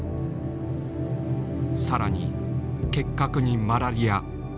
さらに結核にマラリア。